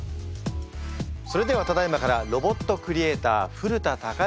それではただいまからロボットクリエーター古田貴之